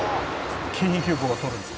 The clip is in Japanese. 「京浜急行が通るんです」